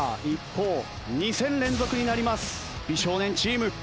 一方２戦連続になります美少年チーム。